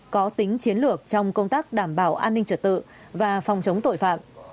có tính chiến lược trong công tác đảm bảo an ninh trật tự và phòng chống tội phạm